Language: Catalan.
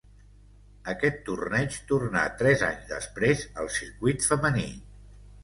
Aquest torneig tornà tres anys després al circuit femení.